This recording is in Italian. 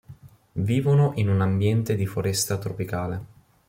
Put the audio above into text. Vivono in un ambiente di foresta tropicale.